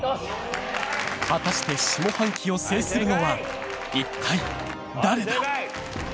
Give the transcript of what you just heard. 果たして下半期を制するのは一体、誰だ。